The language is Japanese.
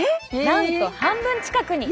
なんと半分近くに！